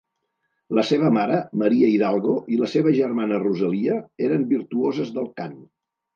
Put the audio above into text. La seva mare, Maria Hidalgo, i la seva germana Rosalia eren virtuoses del cant.